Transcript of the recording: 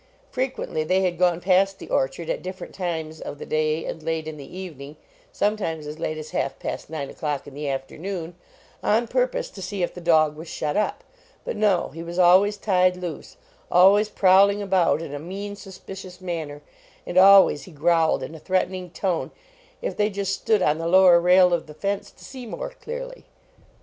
Frequently they had gone past the orchard at different times of the day and late in the evening sometimes as late as half past nine o clock in the afternoon on purpose to see if the dog was shut up. But no; he was always tied loose ; always prowling about in a mean, suspicious manner, and always he growled in a threatening tone if they just stood on the lower rail of the fence to see more clearly.